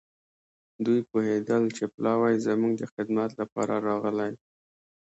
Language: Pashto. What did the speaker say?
دوی پوهېدل چې پلاوی زموږ د خدمت لپاره راغلی.